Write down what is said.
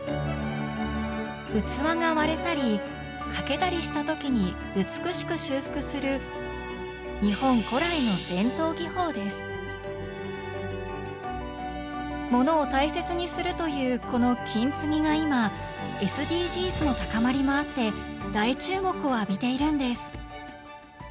器が割れたり欠けたりした時に美しく修復する物を大切にするというこの「金継ぎ」が今ＳＤＧｓの高まりもあって大注目を浴びているんです！